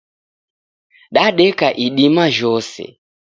Dadeka idima jhose.